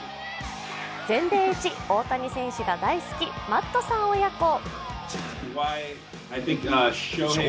全米いち大谷が大好きマットさん親子。